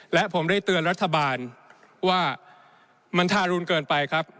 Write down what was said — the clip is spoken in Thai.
และผมได้เตือนรัฐบาลว่ามันทารุณเกินไปครับ